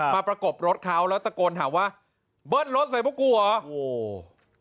มาประกบรถเขาลอตะกิลถามว่าเบิลรถใส่พวกกูเหรอ